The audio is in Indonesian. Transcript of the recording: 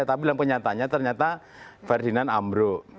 tapi dalam kenyataannya ternyata verinar ambro